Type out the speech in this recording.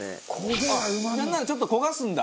なんならちょっと焦がすんだ。